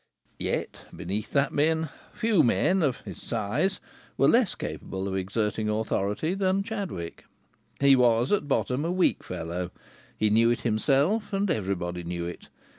Yet, beneath that mien, few men (of his size) were less capable of exerting authority than Chadwick. He was, at bottom, a weak fellow. He knew it himself, and everybody knew it.